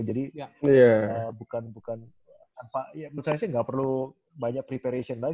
jadi bukan apa ya menurut saya sih gak perlu banyak preparation